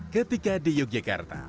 ketika di yogyakarta